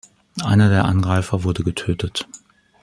Einer der Angreifer wurde getötet.